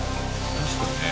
確かにね。